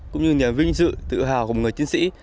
cũng như vinh dự tự hào của một người chiến sĩ